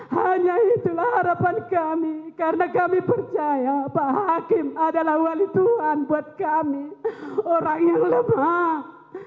hanya itulah harapan kami karena kami percaya pak hakim adalah wali tuhan buat kami orang yang lemah